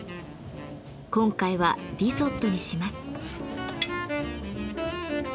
今回はリゾットにします。